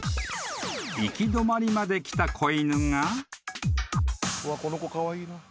［行き止まりまで来た小犬が］